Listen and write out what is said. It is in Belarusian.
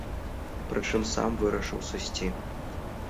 Прычым сам вырашыў сысці.